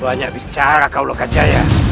banyak bicara kau loh kejaya